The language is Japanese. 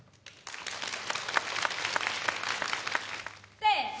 せの。